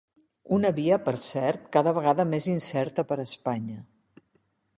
Una via, per cert, cada vegada més incerta per a Espanya.